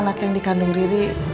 dan yang berpengangkul